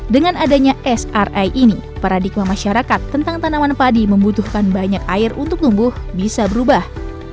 dengan adanya sri ini paradigma masyarakat tentang tanaman padi membutuhkan banyak air untuk tumbuh bisa berubah